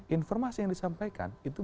informasi yang disampaikan itu